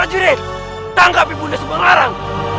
prajurit tangkapi bunda subangarang